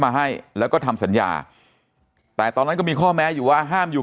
มาให้แล้วก็ทำสัญญาแต่ตอนนั้นก็มีข้อแม้อยู่ว่าห้ามอยู่